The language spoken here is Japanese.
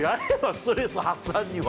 ストレス発散には。